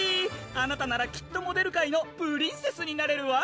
あなたならきっとモデル界のプリンセスになれるわ！